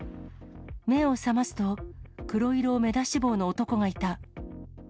目を覚ますと、黒色目出し帽の男がいた。